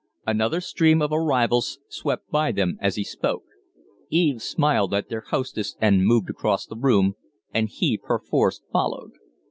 Another stream of arrivals swept by them as he spoke; Eve smiled at their hostess and moved across the room, and he perforce followed.